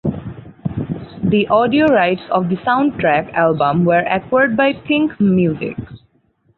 The audio rights of the soundtrack album were acquired by Think Music.